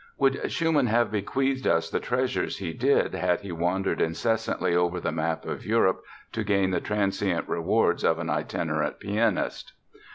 Would Schumann have bequeathed us the treasures he did had he wandered incessantly over the map of Europe to gain the transient rewards of an itinerant pianist?